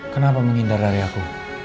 kenapa mengindar dari aku